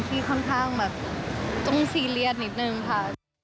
ที่ค่อนข้างแบบต้องซีเรียสนิดนึงค่ะ